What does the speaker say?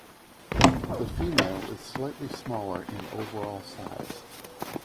The female is slightly smaller in overall size.